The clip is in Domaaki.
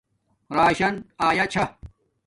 راشان ایا چھا